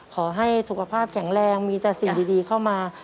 ขอให้สุขภาพแข็งแรงมีแต่สิ่งดีเข้ามา